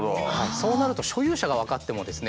そうなると所有者が分かってもですね